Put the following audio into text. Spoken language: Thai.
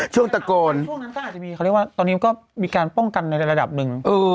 ช่วงตะโกนเขาเรียกว่าตอนนี้ก็มีการป้องกันในระดับหนึ่ง